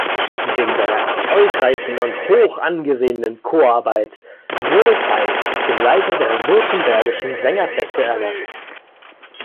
Wegen seiner erfolgreichen und hochangesehenen Chorarbeit wurde Faißt zum Leiter der württembergischen Sängerfeste ernannt.